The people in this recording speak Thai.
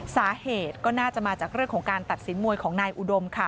สาเหตุก็น่าจะมาจากเรื่องของการตัดสินมวยของนายอุดมค่ะ